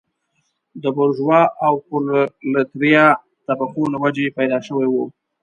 د بورژوا او پرولتاریا طبقو له وجهې پیدا شوی و.